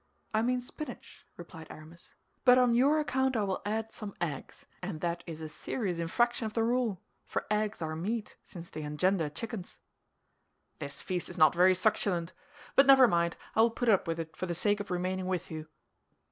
"I mean spinach," replied Aramis; "but on your account I will add some eggs, and that is a serious infraction of the rule—for eggs are meat, since they engender chickens." "This feast is not very succulent; but never mind, I will put up with it for the sake of remaining with you."